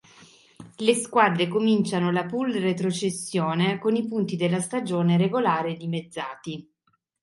Le squadre cominciano la Poule retrocessione con i punti della stagione regolare dimezzati.